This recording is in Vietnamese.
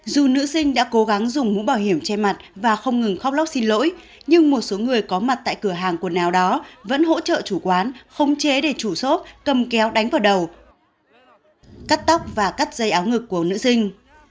dù nữ sinh đã cố gắng dùng mũ bảo hiểm che mặt và không ngừng khóc lóc xin lỗi nhưng một số người có mặt tại cửa hàng quần áo đó vẫn hỗ trợ chủ quán không chế để chủ xốp cầm kéo đánh vào đầu cắt tóc và cắt dây áo ngực của nữ sinh